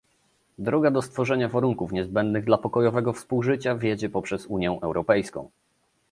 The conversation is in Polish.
Droga do stworzenia warunków niezbędnych dla pokojowego współżycia wiedzie poprzez Unię Europejską